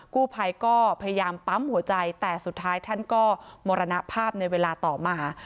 กู้ภัยก็พยายามปั๊มหัวใจแต่สุดท้ายท่านก็มรณภาพในเวลาต่อมา